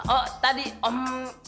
oh tadi om